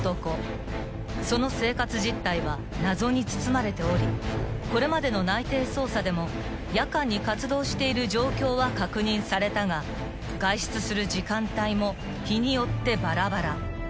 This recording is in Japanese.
［その生活実態は謎に包まれておりこれまでの内偵捜査でも夜間に活動している状況は確認されたが外出する時間帯も日によってバラバラ］